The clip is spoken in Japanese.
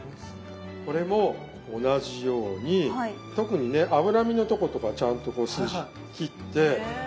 これも同じように特にね脂身のとことかはちゃんとこう筋切って。